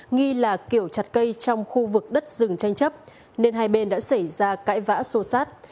nghi là kiểu chặt cây trong khu vực đất rừng tranh chấp nên hai bên đã xảy ra cãi vã sô sát